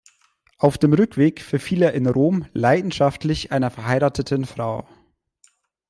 Auf dem Rückweg verfiel er in Rom leidenschaftlich einer verheirateten Frau.